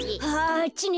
あっちね。